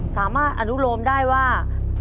สามารถอนุโลมได้ว่า